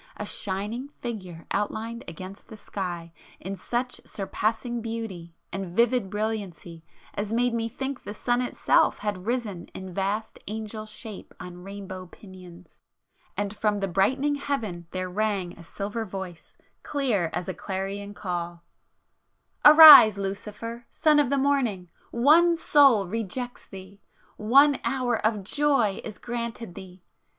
a shining Figure outlined against the sky in such surpassing beauty and vivid brilliancy as made me think the sun itself had risen in vast Angel shape on rainbow pinions! And from the brightening heaven there rang a silver voice, clear as a clarion call,— "Arise, Lucifer, Son of the Morning! One soul rejects thee,—one hour of joy is granted thee!